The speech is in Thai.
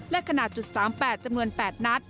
และขนาด๓๘จำนวน๘นัด